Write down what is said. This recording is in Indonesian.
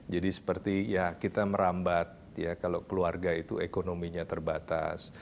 jadi seperti ya kita merambat ya kalau keluarga itu ekonominya terbatas